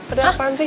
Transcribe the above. ada apaan sih